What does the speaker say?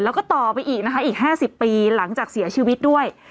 แล้วก็ต่อไปอีกนะคะอีก๕๐ปีหลังจากเสียชีวิตด้วย